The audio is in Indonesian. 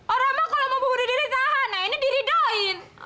orang mah kalo mau buru diri tahan nah ini diri doin